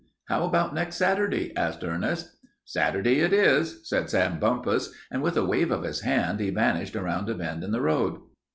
"How about next Saturday?" asked Ernest. "Saturday it is," said Sam Bumpus, and with a wave of his hand he vanished around a bend in the road.